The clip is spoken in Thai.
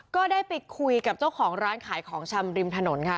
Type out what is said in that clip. ก็ได้ไปคุยกับเจ้าของร้านขายของชำริมถนนค่ะ